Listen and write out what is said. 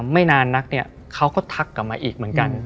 ไม่นานนักเนี่ยเขาก็ทักกลับมาอีกเหมือนกัน